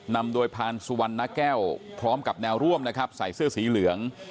นำโดยพานสุวรรณะแก้วพร้อมกับแนวร่วมนะครับใส่เสื้อสีเหลือง